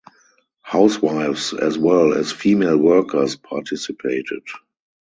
Housewives as well as female workers participated.